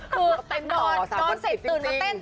ก็เต้นต่อ๓วัน๑๐จริง